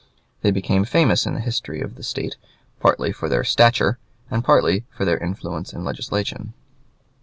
They became famous in the history of the State, partly for their stature and partly for their influence in legislation.